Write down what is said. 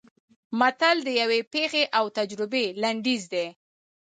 متل د یوې پېښې او تجربې لنډیز دی